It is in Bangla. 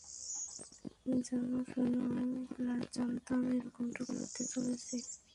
জানো, সোনা, জানতাম এরকমটা ঘটতে চলেছে।